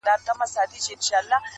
o مور بې حاله کيږي ناڅاپه,